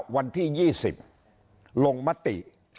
วันที่๒๐ลงมติ